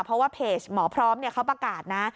เพราะว่าเพจหมอพร้อมเขาประกาศนะ